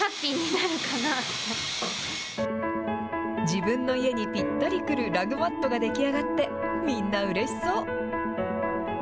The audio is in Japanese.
自分の家にぴったりくるラグマットが出来上がって、みんなうれしそう。